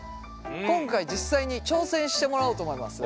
今回実際に挑戦してもらおうと思います。